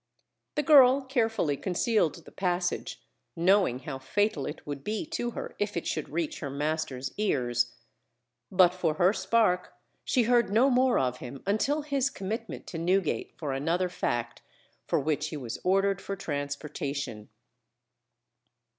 The girl carefully concealed the passage, knowing how fatal it would be to her if it should reach her master's ears; but for her spark, she heard no more of him until his commitment to Newgate for another fact, for which he was ordered for transportation.